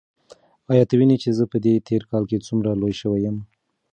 ایا ته وینې چې زه په دې تېر کال کې څومره لوی شوی یم؟